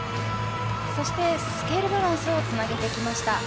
そして、スケールバランスをつなげてきました。